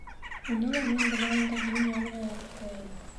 Уны ла мин бынауында һинең яныңа яҙып ҡуяйым.